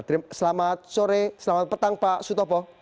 selamat sore selamat petang pak sutopo